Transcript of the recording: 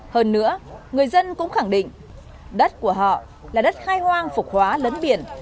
hơn nữa người dân cũng khẳng định đất của họ là đất khai hoang phục hóa lấn biển